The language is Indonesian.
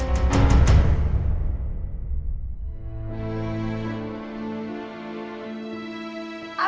bentar aku panggilnya